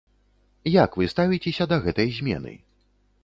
Як вы ставіцеся да гэтай змены?